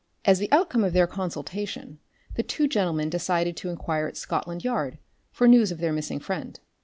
As the outcome of their consultation the two gentlemen decided to inquire at Scotland Yard for news of their missing friend.